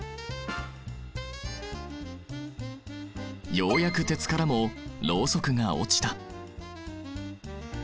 ようやく鉄からもロウソクが落ちた。